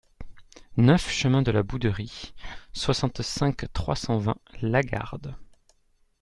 neuf chemin de la Bouderie, soixante-cinq, trois cent vingt, Lagarde